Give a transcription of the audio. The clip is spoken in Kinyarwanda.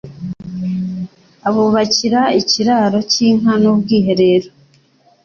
abubakira ikiraro cy'inka n'ubwiherero